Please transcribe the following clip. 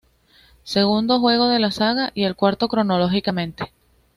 Segundo juego de la saga y el cuarto cronológicamente.